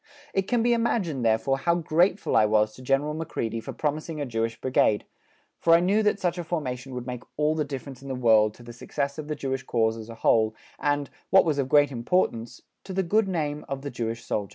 It can be imagined, therefore, how grateful I was to General Macready for promising a Jewish Brigade, for I knew that such a formation would make all the difference in the world to the success of the Jewish cause as a whole and, what was of great importance, to the good name of the Jewish soldier.